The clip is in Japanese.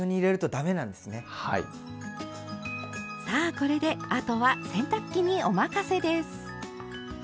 さあこれであとは洗濯機にお任せです。